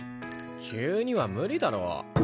急には無理だろ。